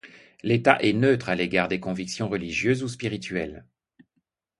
L’État est neutre à l’égard des convictions religieuses ou spirituelles.